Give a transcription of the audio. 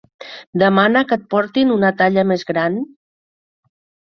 Demana que et portin una talla més gran?